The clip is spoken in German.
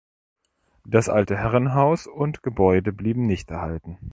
Das alte Herrenhaus und Gebäude blieben nicht erhalten.